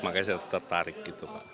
makanya saya tertarik gitu